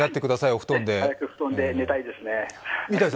早く布団で寝たいですね。